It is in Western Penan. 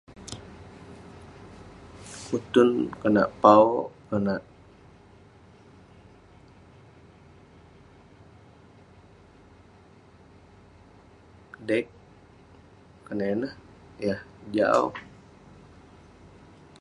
Kutun konak [unintelligible] konak deg. Konak ineh yah jau.